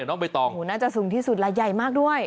น่าจะสูงที่สุดแล้วใหญ่มากด้วย